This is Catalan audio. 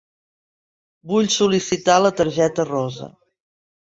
Vull sol·licitar la targeta rosa.